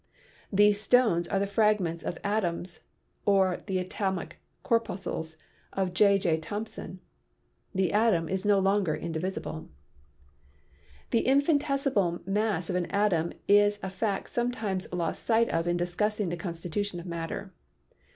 These stones are the fragments of atoms, or the atomic corpuscles of J. J. Thompson. The atom is no longer indivisible." The infinitesimal mass of an atom is a fact sometimes lost sight of in discussing the constitution of matter.